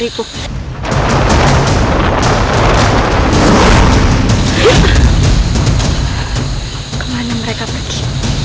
aku akan pergi